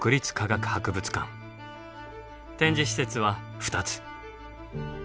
展示施設は２つ。